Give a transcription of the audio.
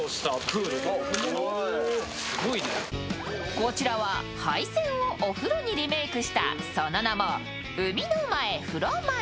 こちらは廃船をお風呂にリメークしたその名も海ノ前風呂丸。